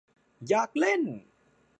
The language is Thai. อยากเล่น !